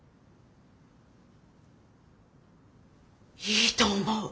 いいと思う！